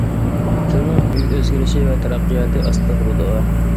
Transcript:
تىلنىڭ ئۆزگىرىشى ۋە تەرەققىياتى ئاستا بولىدۇ.